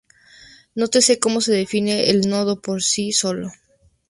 Nótese como se define el nodo por sí solo.